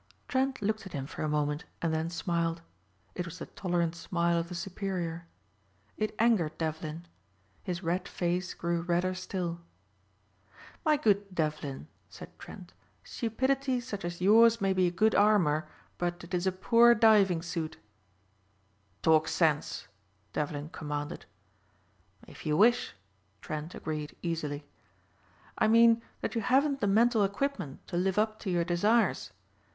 Trent looked at him for a moment and then smiled. It was the tolerant smile of the superior. It angered Devlin. His red face grew redder still. "My good Devlin," said Trent, "stupidity such as yours may be a good armor but it is a poor diving suit." "Talk sense," Devlin commanded. "If you wish," Trent agreed easily. "I mean that you haven't the mental equipment to live up to your desires.